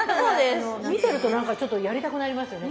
見てると何かちょっとやりたくなりますよね